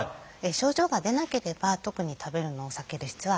症状が出なければ特に食べるのを避ける必要はありません。